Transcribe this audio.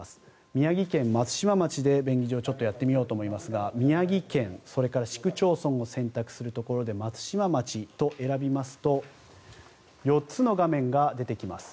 宮城県松島町で便宜上やってみようと思いますが宮城県それから市区町村を選択すると松島町と選びますと４つの画面が出てきます。